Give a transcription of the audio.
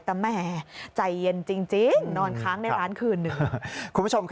แต่แม่ใจเย็นจริงนอนค้างในร้านคืนหนึ่ง